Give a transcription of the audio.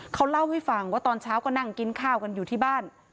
เขาเล่าให้ฟังว่าตอนเช้าก็นั่งกินข้าวกันอยู่ที่บ้าน